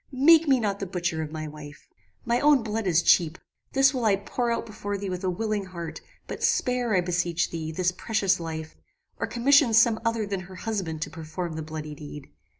Make me not the butcher of my wife. My own blood is cheap. This will I pour out before thee with a willing heart; but spare, I beseech thee, this precious life, or commission some other than her husband to perform the bloody deed.